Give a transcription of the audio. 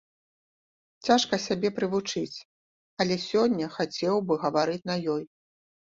Цяжка сябе прывучыць, але сёння хацеў бы гаварыць на ёй.